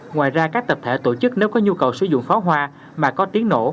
ngoài ra các tập thể tổ chức nếu có nhu cầu sử dụng pháo hoa mà có tiếng nổ